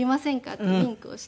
ってウィンクをして。